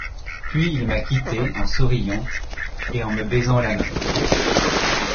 Puis il m’a quittée en souriant et me baisant la main.